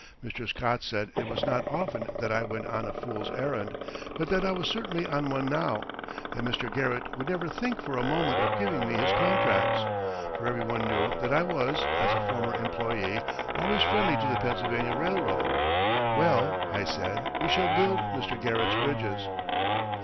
Mr. Scott said it was not often that I went on a fool's errand, but that I was certainly on one now; that Mr. Garrett would never think for a moment of giving me his contracts, for every one knew that I was, as a former employee, always friendly to the Pennsylvania Railroad. Well, I said, we shall build Mr. Garrett's bridges."